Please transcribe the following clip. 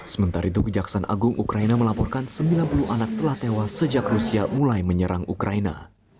sementara itu kejaksaan agung ukraina melaporkan sembilan puluh anak telah tewas sejak rusia mulai menyerang ukraina